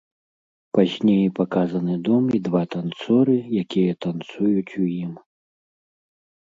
Пазней паказаны дом і два танцоры, якія танцуюць у ім.